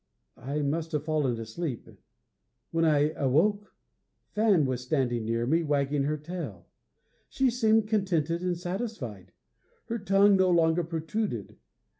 I must have fallen asleep. When I awoke, Fan was standing near me, wagging her tail. She seemed contented and satisfied; her tongue no longer protruded.